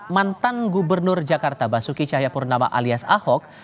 mantan gubernur jakarta basuki cahayapurnama alias ahok